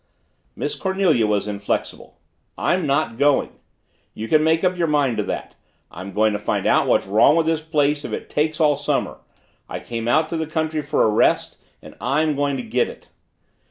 Miss Cornelia was inflexible. "I'm not going. You can make up your mind to that. I'm going to find out what's wrong with this place if it takes all summer. I came out to the country for a rest and I'm going to get it."